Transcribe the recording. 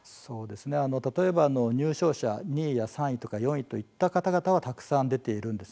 例えば入賞者２位や３位や４位といった方々がたくさん出ているんです。